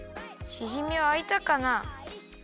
しじみあいたかな。